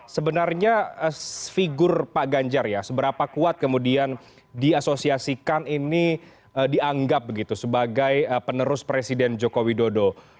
sebenarnya figur pak ganjar ya seberapa kuat kemudian diasosiasikan ini dianggap begitu sebagai penerus presiden joko widodo